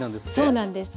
そうなんです。